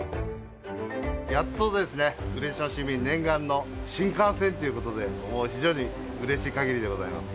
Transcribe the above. やっとですね、嬉野市民念願の新幹線ということで、もう非常にうれしい限りでございます。